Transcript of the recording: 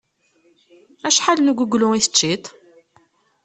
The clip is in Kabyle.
Acḥal n uguglu i teččiḍ?